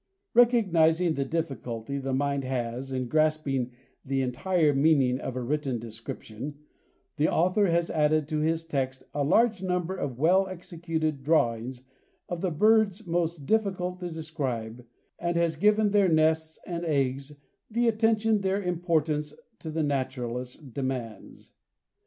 Recognizing the difficulty the mind has in grasping the entire meaning of a written description, the author has added to his text a large number of well executed drawings of the birds most difficult to describe and has given their nests and eggs the attention their importance to the naturalist demands.